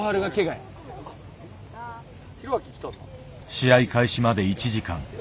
試合開始まで１時間。